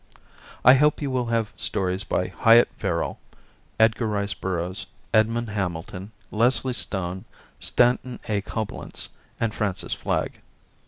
I hope you will have stories by Hyatt Verril, Edgar Rice Burroughs, Edmond Hamilton, Leslie Stone, Stanton A. Coblentz and Francis Flagg.